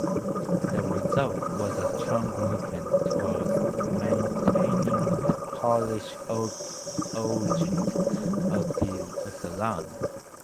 The result was a strong movement towards maintaining the Polish origins of the land.